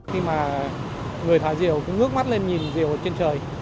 khi mà người thả diều cũng ngước mắt lên nhìn diều ở trên trời